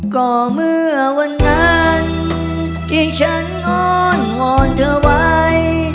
ก็เมื่อวันนั้นที่ฉันอ้อนวอนเธอไว้